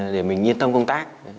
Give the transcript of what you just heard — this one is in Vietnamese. để mình yên tâm công tác